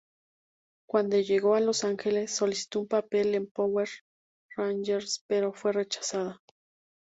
Cuando llegó a Los Ángeles, solicitó un papel en Power Rangers pero fue rechazada.